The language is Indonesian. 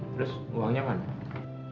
terus uangnya mana